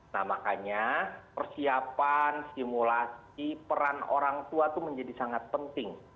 nah makanya persiapan simulasi peran orang tua itu menjadi sangat penting